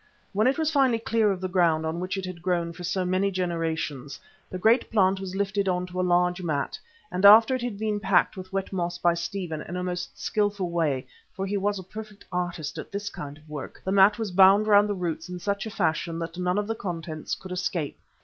When it was finally clear of the ground on which it had grown for so many generations, the great plant was lifted on to a large mat, and after it had been packed with wet moss by Stephen in a most skilful way, for he was a perfect artist at this kind of work, the mat was bound round the roots in such a fashion that none of the contents could escape.